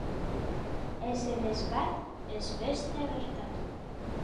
Ez zen ez bat, ez bestea gertatu.